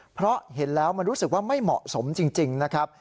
เพราะเห็นแล้วมันรู้สึกว่าไม่เหมาะสมจริงนะครับ